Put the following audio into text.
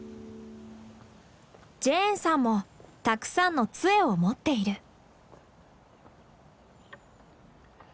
ジェーンさんもたくさんの杖を持っている。